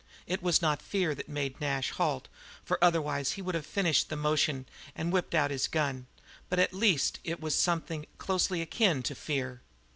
It was not fear that made Nash halt, for otherwise he would have finished the motion and whipped out his gun; but at least it was something closely akin to fear.